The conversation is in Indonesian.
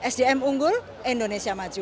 sdm unggul indonesia maju